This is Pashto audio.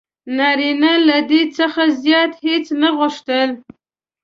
نارینه له دې څخه زیات هیڅ نه غوښتل: